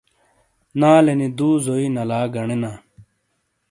نالینی دُو زوئی نلا گنینا۔